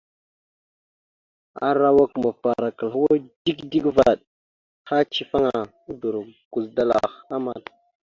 Arawak mafarakal hwa dik dik vvaɗ, ha icefaŋa, udoro guzədalah amat.